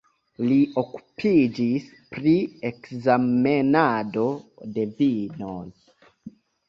Li okupiĝis pri ekzamenado de vinoj.